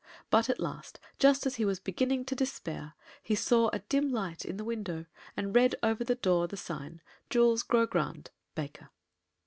But at last, just as he was beginning to despair, he saw a dim light in a window and read over the door the sign: "Jules Grogrande, Baker."